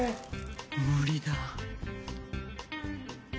無理だ。